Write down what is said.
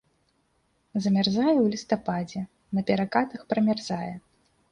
Замярзае ў лістападзе, на перакатах прамярзае.